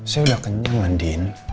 saya udah kenyang andien